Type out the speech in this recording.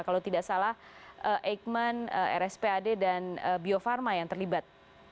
kalau tidak salah eijkman rspad dan bio farma yang terlibat